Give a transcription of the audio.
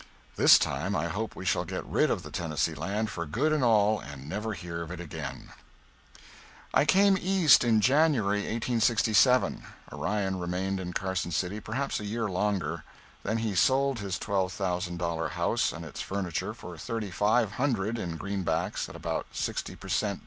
This time I hope we shall get rid of the Tennessee land for good and all and never hear of it again. [Sidenote: (1867.)] [Sidenote: (1871.)] I came East in January, 1867. Orion remained in Carson City perhaps a year longer. Then he sold his twelve thousand dollar house and its furniture for thirty five hundred in greenbacks at about sixty per cent.